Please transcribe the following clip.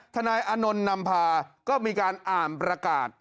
นายอานนท์นำพาก็มีการอ่านประกาศ